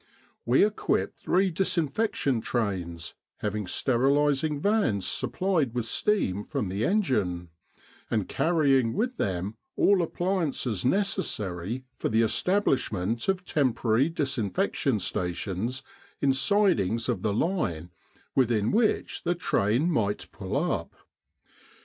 We equipped~three~ DisinfectiorTTrainsT having sterilis ing vans supplied with steam from the engine, and carrying with them all appliances necessary for the establishment of temporary Disinfection Stations in sidings of the line within which the train might pull up.